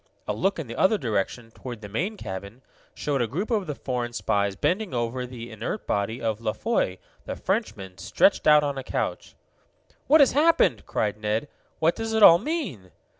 A look in the other direction, toward the main cabin, showed a group of the foreign spies bending over the inert body of La Foy, the Frenchman, stretched out on a couch. "What has happened?" cried Ned. "What does it all mean?'